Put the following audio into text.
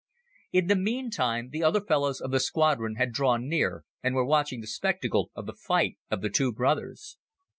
In the meantime, the other fellows of the squadron had drawn near and were watching the spectacle of the fight of the two brothers.